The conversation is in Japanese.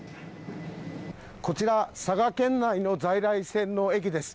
こちら、佐賀県内の在来線の駅です。